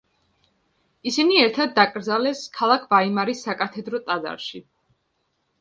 ისინი ერთად დაკრძალეს, ქალაქ ვაიმარის საკათედრო ტაძარში.